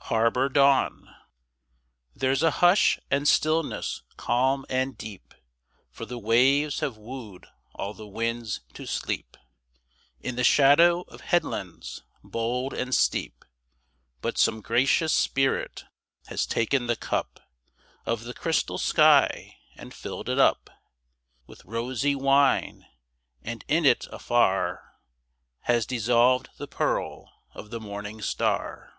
8 Autoplay There's a hush and stillness calm and deep, For the waves have wooed all the winds to sleep In the shadow of headlands bold and steep; But some gracious spirit has taken the cup Of the crystal sky and filled it up With rosy wine, and in it afar Has dissolved the pearl of the morning star.